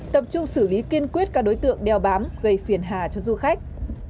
tập trung xử lý kiên quyết các đối tượng đeo bám gây phiền hà cho du khách